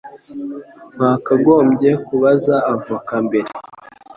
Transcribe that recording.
Wakagombye kubaza avoka mbere.